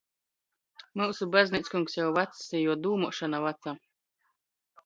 Myusu bazneickungs jau vacs, i juo dūmuošona vaca.